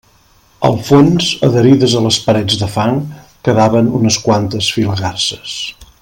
Al fons, adherides a les parets de fang, quedaven unes quantes filagarses.